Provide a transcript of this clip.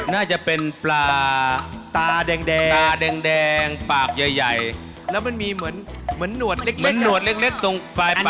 น่าจะเป็นปลาตาแดงปากใหญ่แล้วมันมีเหมือนหนวดเล็กตรงปลายปาก